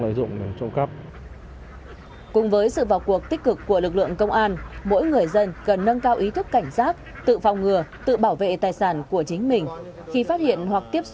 với sự phát hiện hoặc tiếp xúc với các lực lượng công an mỗi người dân cần nâng cao ý thức cảnh giác tự phòng ngừa tự bảo vệ tài sản của chính mình